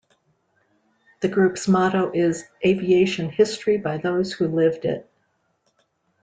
The group's motto is "Aviation History by those Who Lived It".